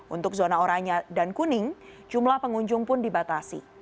untuk zona oranye dan kuning jumlah pengunjung pun dibatasi